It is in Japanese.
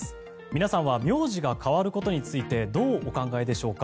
皆さんは名字が変わることについてどうお考えでしょうか。